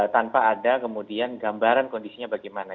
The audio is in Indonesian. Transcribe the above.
tanpa ada kemudian gambaran kondisinya bagaimana